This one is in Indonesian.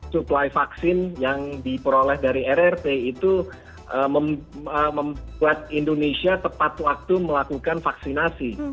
suplai vaksin yang diperoleh dari rrt itu membuat indonesia tepat waktu melakukan vaksinasi